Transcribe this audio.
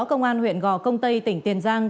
công an huyện gò công tây tỉnh tiền giang